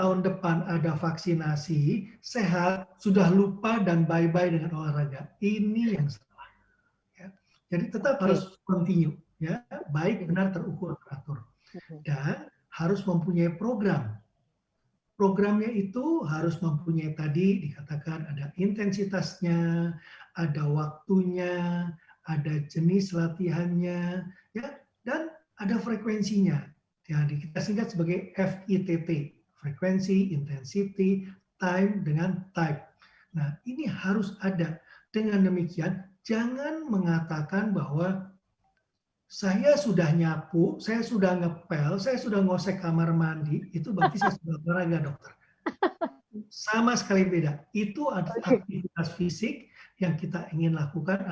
oke berarti film film yang bikin kita nangis tinggalkan dulu ya dok ya